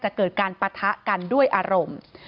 เกิดการปะทะกันด้วยอารมณ์